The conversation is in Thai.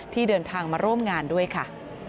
ที่เดินทางมาร่วมงานด้วยค่ะ